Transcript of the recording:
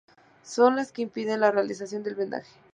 Son las que impiden la realización del vendaje.